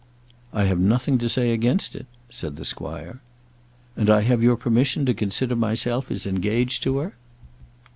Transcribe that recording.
"I have nothing to say against it," said the squire. "And I have your permission to consider myself as engaged to her?"